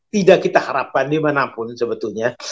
tidak kita harapkan dimanapun sebetulnya